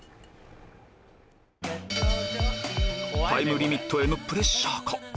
タイムリミットへのプレッシャーか？